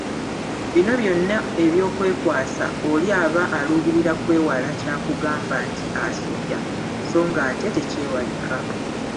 Bino byonna ebyokwekwasa oli aba aluubirira kwewala kya kugamba nti asobya so ng'ate tekyewalika.